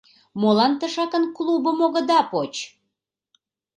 Молан тышакын клубым огыда поч!